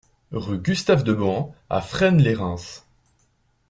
Rue Gustave de Bohan à Fresne-lès-Reims